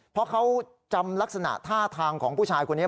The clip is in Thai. เพราะเขาจำลักษณะท่าทางของผู้ชายคนนี้